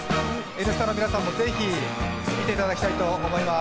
「Ｎスタ」の皆さんもぜひ見ていただきたいと思います。